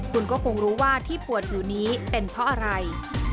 คุณก็คงรู้ว่าที่ปวดอยู่นี้เป็นเพราะอะไร